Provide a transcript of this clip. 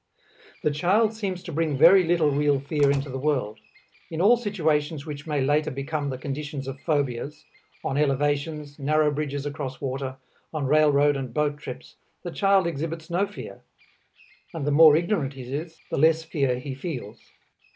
The child seems to bring very little real fear into the world. In all situations which may later become the conditions of phobias, on elevations, narrow bridges across water, on railroad and boat trips, the child exhibits no fear. And the more ignorant he is, the less fear he feels.